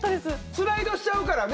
スライドしちゃうからね。